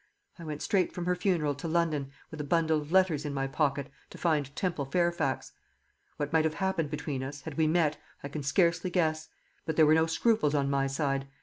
I went straight from her funeral to London, with a bundle of letters in my pocket, to find Temple Fairfax. What might have happened between us, had we met, I can scarcely guess; but there were no scruples on my side.